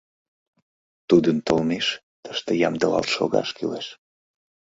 Тудын толмеш, тыште ямдылалт шогаш кӱлеш.